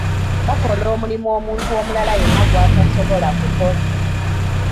Bakola omulimu omuntu omulala yenna gw'atasobola kukola.